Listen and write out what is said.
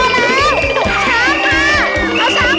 ดำลากเร่ง